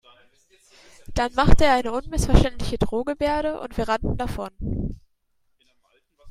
Dann machte er eine unmissverständliche Drohgebärde und wir rannten davon.